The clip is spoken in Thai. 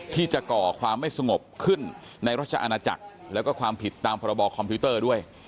ที่จะก่อความไม่สงบขึ้นในรัชอาณาจักรแล้วก็ความผิดตามพรบคอมพิวเตอร์ด้วย